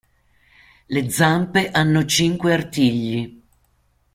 Le zampe hanno cinque artigli.